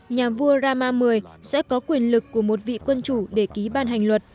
nhà vua rama một mươi sẽ có quyền lực của một vị quân chủ để ký ban hành luật